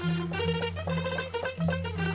กลับมาที่สุดท้าย